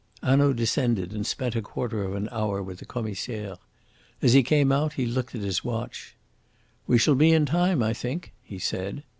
Hanaud descended and spent a quarter of an hour with the Commissaire. As he came out he looked at his watch. "We shall be in time, I think," he said.